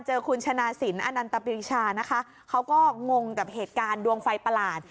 คุณชนะสินอนันตปริชานะคะเขาก็งงกับเหตุการณ์ดวงไฟประหลาด